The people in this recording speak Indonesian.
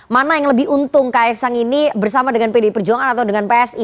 mana yang lebih untung ks sang ini bersama dengan pdi perjuangan atau dengan psi